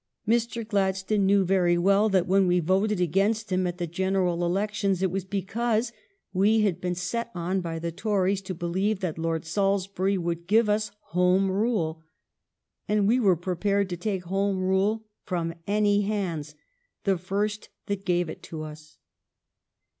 Mr. Gladstone knew very well that when we voted against him at the general elections it was because we had been set on by the Tories to believe that Lord Salisbury would give us Home Rule, and we were prepared to take Home Rule from any hands, the first that gave it to us.